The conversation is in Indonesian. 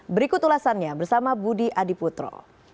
berikut ulasannya bersama budi adiputro